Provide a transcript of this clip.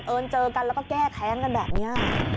เจอกันแล้วก็แก้แค้นกันแบบนี้